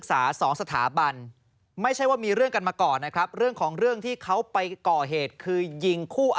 สั่งสอนและอบรมเอาไว้